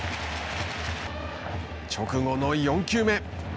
直後の４球目。